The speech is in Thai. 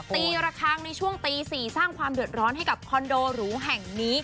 ระคังในช่วงตี๔สร้างความเดือดร้อนให้กับคอนโดหรูแห่งนี้